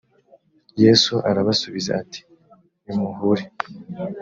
yesu arabasubiza ati nimuhure.